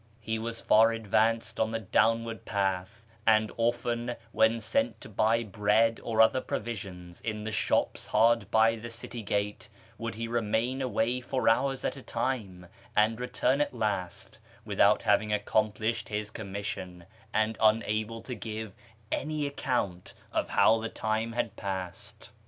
He was far advanced on the downward path, and often, when sent to buy bread or other provisions in the shops hard by the city gate, would he remain away for hours at a time, and return at last without having accomplished his commission, and unable to give any account of how the time had passed.